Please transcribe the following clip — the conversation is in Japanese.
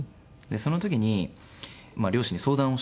その時に両親に相談をして。